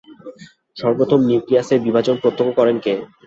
সর্বপ্রথম নিউক্লিয়াসের বিভাজন প্রত্যক্ষ করেন কে?